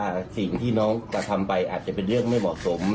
กะเบลุประทับสิ่งที่น้องจะทำไปอาจจะเป็นเรื่องง่อหหตะ